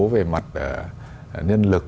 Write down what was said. về mặt nhân lực